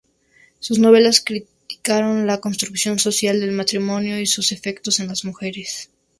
Sus novelas criticaron la construcción social del matrimonio y sus efectos en las mujeres.